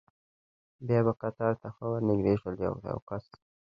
بیا به قطار ته ښه ور نږدې شول، د یو کس.